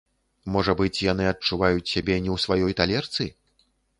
Можа быць, яны адчуваюць сябе не ў сваёй талерцы?